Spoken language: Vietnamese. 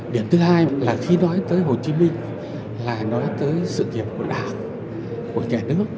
điểm thứ hai là khi nói tới hồ chí minh là nói tới sự nghiệp của đảng của nhà nước